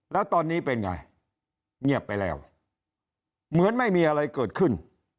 แล้วตอนนี้เป็นไงเงียบไปแล้วเหมือนไม่มีอะไรเกิดขึ้น